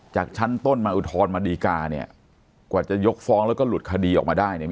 จากชั้นต้นมาอุทธรณ์มาดีกาเนี่ยกว่าจะยกฟ้องแล้วก็หลุดคดีออกมาได้เนี่ย